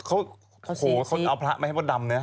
โอ้โฮเขาเอาพระใหม่ให้พ่อดำเนี่ย